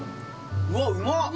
うわうまっ！